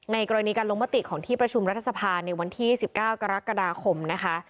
กรณีการลงมติของที่ประชุมรัฐสภาในวันที่๑๙กรกฎาคมนะคะ